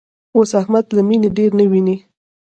اوس احمد له مینې ډېر نه ویني.